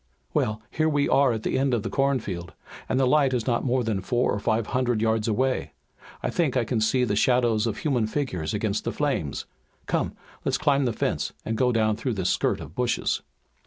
"Well, here we are at the end of the cornfield, and the light is not more than four or five hundred yards away. I think I can see the shadows of human figures against the flames. Come, let's climb the fence and go down through this skirt of bushes."